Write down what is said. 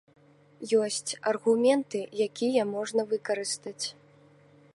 Ёсць аргументы, якія можна выкарыстаць.